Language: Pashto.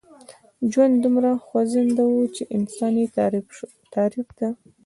ژوند دومره خوځنده و چې انسان يې تعريف ته.